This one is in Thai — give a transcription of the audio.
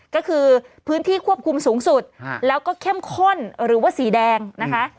ก็คือพื้นที่ควบคุมสูงสุดแล้วก็เข้มข้นหรือว่าสีแดงนะคะ